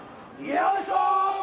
よいしょ！